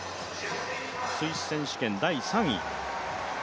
スイス選手権第３位。